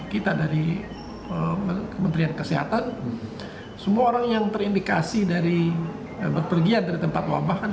karena sesuai dengan klausul yang telah diutamakan